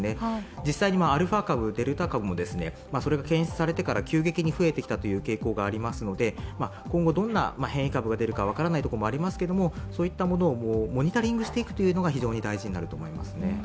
実際にアルファ株、デルタ株もそれが検出されてから急激に増えてきたこともありますので今後、どんな変異株が出るか分からないところがありますがそういったものをモニタリングしていくことが非常に大事になってくと思います。